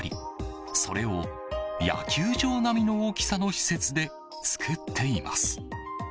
それを野球場並みの大きさの施設で作っています。